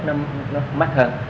nó mắc hơn